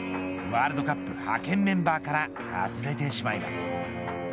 ワールドカップ派遣メンバーから外されてしまいます。